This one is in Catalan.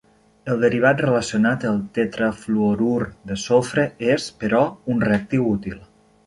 El derivat relacionat, el tetrafluorur de sofre, és, però, un reactiu útil.